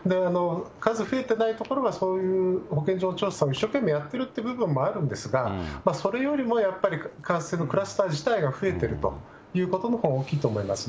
数増えてない所は、そういう保健所の調査を一生懸命やっているという部分もあるんですが、それよりもやっぱり、感染の、クラスター自体が増えているということのほうが大きいと思います